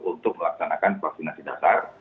untuk melaksanakan vaksinasi dasar